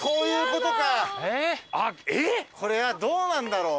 これはどうなんだろう？